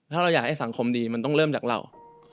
ถ้าเราอยากให้สังคมดีมันต้องเริ่มจากเรา